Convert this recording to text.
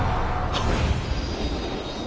はっ！